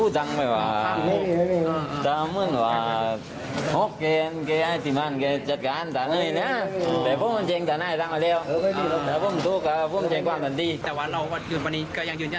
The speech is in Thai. เดินไปเถอะ